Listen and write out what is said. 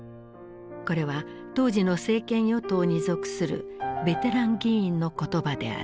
これは当時の政権与党に属するベテラン議員の言葉である。